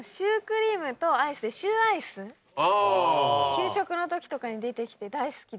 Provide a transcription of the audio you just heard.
給食の時とかに出てきて大好きでした。